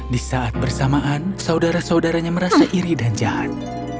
di saat bersamaan saudara saudaranya merasa iri dan jahat